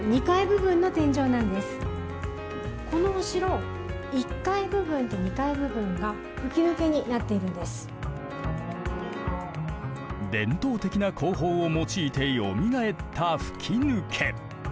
このお城１階部分と２階部分が伝統的な工法を用いてよみがえった吹き抜け。